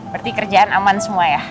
berarti kerjaan aman semua ya